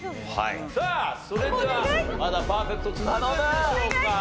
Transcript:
さあそれではまだパーフェクト続くんでしょうか？